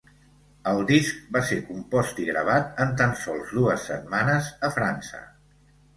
El disc va ser compost i gravat en tan sols dues setmanes a França.